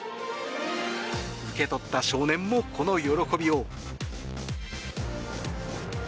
受け取った少年もこの喜びよう。